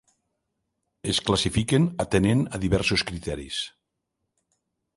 Es classifiquen atenent a diversos criteris.